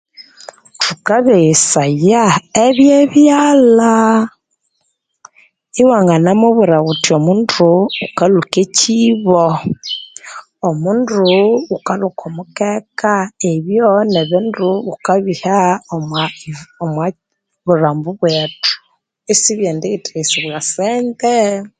Tukabeghesaya ebyebyalha iwanganamubwera wuthi omundu akalhuka ekibo omundu ghulhuka omukeka ebyo nebindo thukabigha omwabulhambo bwethu isikulhi eriyiteghesibwa esyosente